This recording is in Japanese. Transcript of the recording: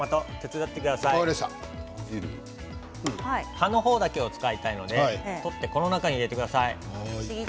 葉っぱだけ使いたいので取ってこの中に入れてください。